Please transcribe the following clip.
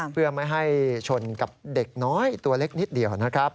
เพื่อไม่ให้ชนกับเด็กน้อยตัวเล็กนิดเดียวนะครับ